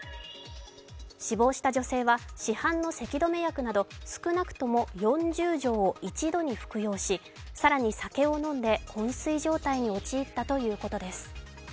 死亡した女性は市販のせき止め薬など、少なくとも４０錠を一度に服用し更に酒を飲んでこん睡状態に陥ったということです。